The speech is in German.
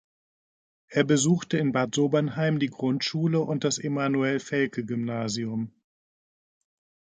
Er besuchte in Bad Sobernheim die Grundschule und das Emanuel-Felke-Gymnasium.